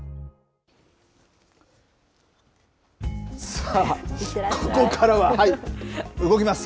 さあ、ここからは動きます。